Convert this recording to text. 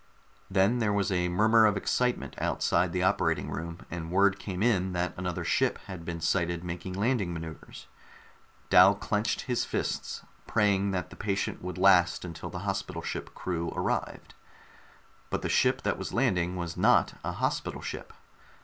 Then there was a murmur of excitement outside the operating room, and word came in that another ship had been sighted making landing maneuvers. Dal clenched his fists, praying that the patient would last until the hospital ship crew arrived. But the ship that was landing was not a hospital ship.